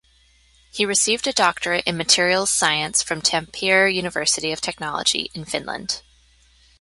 He received a doctorate in materials science from Tampere University of Technology in Finland.